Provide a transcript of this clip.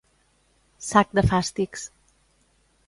Sac de fàstics.